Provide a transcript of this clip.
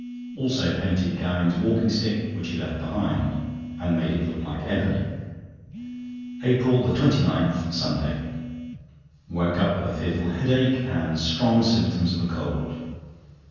Also painted Gowing's walking stick, which he left behind, and made it look like ebony. APRIL 29, Sunday.—Woke up with a fearful headache and strong symptoms of a cold.